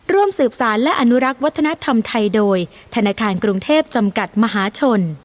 ร่วมสืบสารและอนุรักษ์วัฒนธรรมไทยโดยธนาคารกรุงเทพจำกัดมหาชน